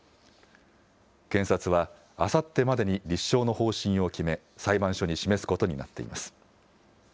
検察は、あさってまでに立証の方針を決め、裁判所に示すことになっています。